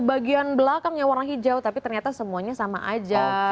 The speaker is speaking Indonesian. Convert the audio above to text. bagian belakangnya warna hijau tapi ternyata semuanya sama aja